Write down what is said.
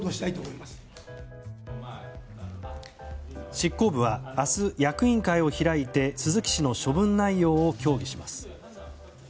執行部は明日役員会を開いて鈴木氏の処分内容を協議します。